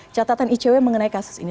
catatan icw mengenai kasus ini